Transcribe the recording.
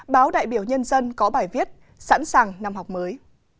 báo đại biểu nhân dân có bài viết sẵn sàng năm học mới